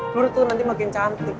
lo tuh nanti makin cantik